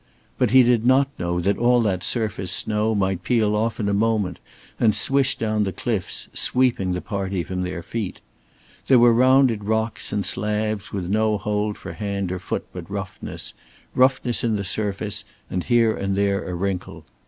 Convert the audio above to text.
But he did not know that all that surface snow might peel off in a moment, and swish down the cliffs, sweeping the party from their feet. There were rounded rocks and slabs with no hold for hand or foot but roughness, roughness in the surface, and here and there a wrinkle.